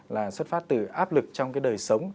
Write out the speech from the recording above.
là xuất phát từ áp lực trong cái đời sống